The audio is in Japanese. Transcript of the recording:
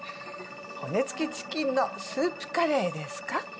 骨つきチキンのスープカレーですか？